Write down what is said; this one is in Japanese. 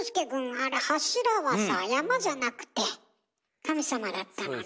あれ「柱」はさ山じゃなくて神様だったのね。